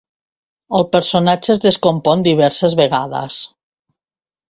El personatge es descompon diverses vegades.